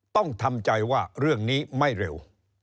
ต้องทำใจว่าเรื่องนี้ไม่เร็ว